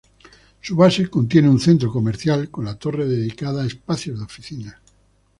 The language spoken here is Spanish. Su base contiene un centro comercial, con la torre dedicada a espacio de oficinas.